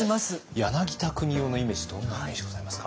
柳田国男のイメージどんな印象ございますか？